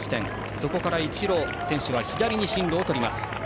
そこから一路、選手は左に進路をとります。